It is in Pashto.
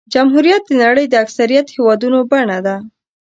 جمهوریت د نړۍ د اکثریت هېوادونو بڼه ده.